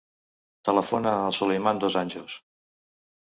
Telefona al Sulaiman Dos Anjos.